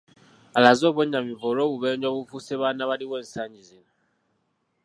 Alaze obwennyamivu olw'obubenje obufuuse baana baliwo ensangi zino